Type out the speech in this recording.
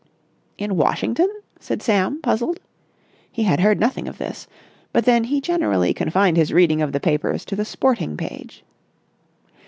'" "In Washington?" said Sam, puzzled. He had heard nothing of this. But then he generally confined his reading of the papers to the sporting page.